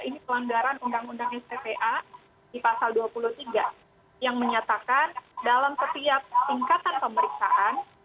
ini pelanggaran undang undang sppa di pasal dua puluh tiga yang menyatakan dalam setiap tingkatan pemeriksaan